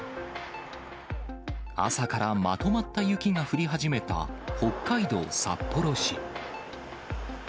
朝からまとまった雪が降り始めた北海道札幌市。